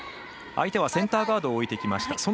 相手はセンターガードを置いてきました。